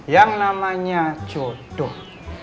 yang namanya jodoh